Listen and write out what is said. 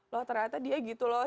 loh ternyata dia gitu loh